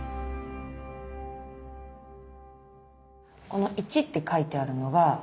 この「一」って書いてあるのは。